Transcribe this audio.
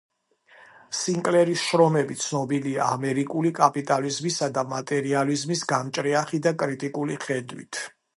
სინკლერის შრომები ცნობილია ამერიკული კაპიტალიზმისა და მატერიალიზმის გამჭრიახი და კრიტიკული ხედვით.